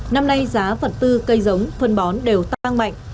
năm nay giá vật tư cây giống phân bón đều tăng mạnh